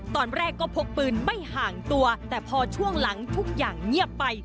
ตอนแรกก็พกปืนไม่ห่างตัวแต่พอช่วงหลังทุกอย่างเงียบไป